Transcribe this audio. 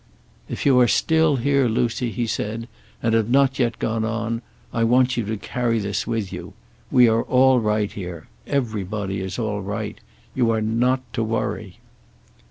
"If you are still here, Lucy," he said, "and have not yet gone on, I want you to carry this with you. We are all right, here. Everybody is all right. You are not to worry."